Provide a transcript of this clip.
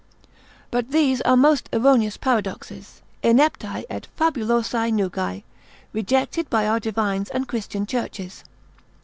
But these are most erroneous paradoxes, ineptae et fabulosae nugae, rejected by our divines and Christian churches.